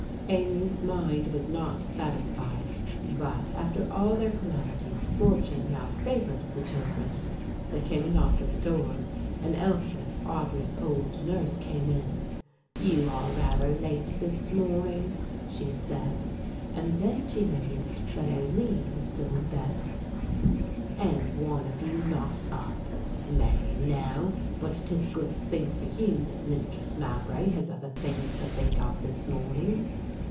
Aline's mind was not satisfied; but, after all their calamities, fortune now favoured the children. There came a knock at the door and Elspeth, Audry's old nurse, came in. "You are rather late this morning," she said, and then she noticed that Aline was still in bed, "and one of you not up. Marry now, but it is a good thing for you that Mistress Mowbray has other things to think of this morning.